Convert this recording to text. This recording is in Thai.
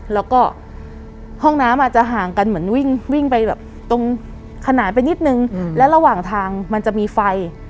แล้วก็ห้องน้ำอาจจะห่างกันเหมือนวิ่งวิ่งไปแบบตรงขนานไปนิดนึงและระหว่างทางมันจะมีไฟ